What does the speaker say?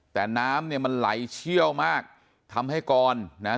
แต่น้ำเนี่ยมันไหลเชี่ยวมากทำให้กรนะฮะ